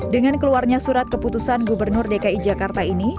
dengan keluarnya surat keputusan gubernur dki jakarta ini